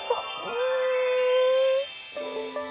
うん。